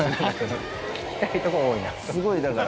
すごいだから。